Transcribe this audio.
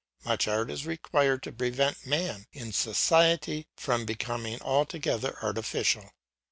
Much art is required to prevent man in society from being altogether artificial.